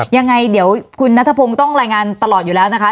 ยังไงเดี๋ยวคุณนัทพงศ์ต้องรายงานตลอดอยู่แล้วนะคะ